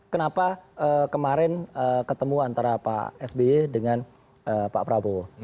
kenapa kemarin ketemu antara pak sby dengan pak prabowo